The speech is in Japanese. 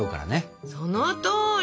そのとおり！